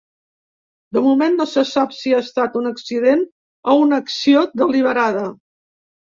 De moment, no se sap si ha estat un accident o una acció deliberada.